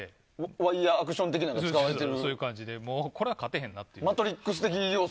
ワイヤアクション的なのが使われている？